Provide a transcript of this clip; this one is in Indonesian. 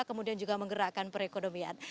kemudian juga menggerakkan perekonomian